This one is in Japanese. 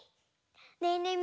ねえねえ